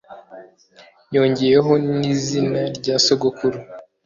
yongeyeho n' izina rya sogokuru